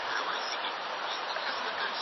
پارلمان به د ديني مدرسو د نصاب د سمون پرېکړي کوي.